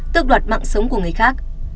tước đoạt mạng sống của người khác